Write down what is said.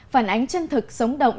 phản ánh chân thực sống động